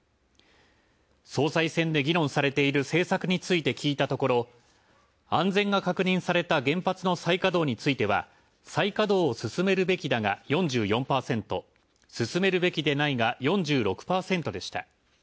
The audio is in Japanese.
総裁選で議論されている政策について聞いたところ「安全が確認された原発の再稼働については、再稼働を進めるべきだ」が４４％「進めるべきでない」が４６％でした。